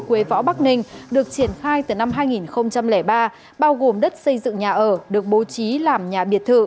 quế võ bắc ninh được triển khai từ năm hai nghìn ba bao gồm đất xây dựng nhà ở được bố trí làm nhà biệt thự